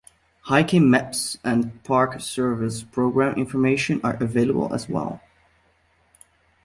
Hiking maps and Park Service program information are available as well.